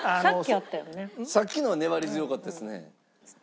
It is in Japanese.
さっきのは粘り強かったですね。